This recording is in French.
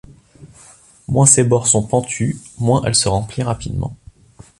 Moins ses bords sont pentus, moins elle se remplit rapidement.